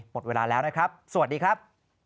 หมดเวลาแล้วนะครับสวัสดีครับ